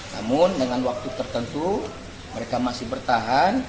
namun dengan waktu tertentu mereka masih bertahan